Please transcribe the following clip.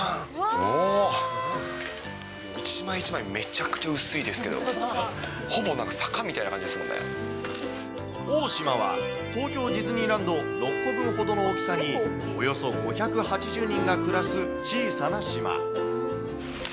もう、一枚一枚めちゃくちゃ薄いですけど、ほぼなんか坂みたいな感じで大島は、東京ディズニーランド６個分ほどの大きさにおよそ５８０人が暮らす小さな島。